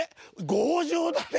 「強情だね」。